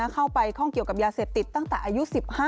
ข้องเกี่ยวกับยาเสพติดตั้งแต่อายุ๑๕